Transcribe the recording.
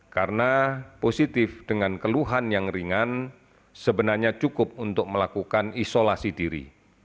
karena positif dengan keluhan yang ringan sebenarnya cukup untuk melakukan isolasi diri